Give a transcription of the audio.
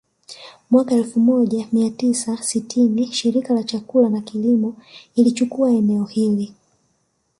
Mwaka elfu moja mia tisa sitini Shirika la Chakula na Kilimo ilichukua eneo hili